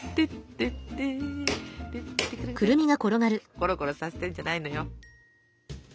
コロコロさせてんじゃないのよ。